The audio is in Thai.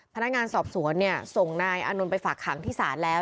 พนักงานสอบสวนส่งนายอานนท์ไปฝากขังที่ศาลแล้ว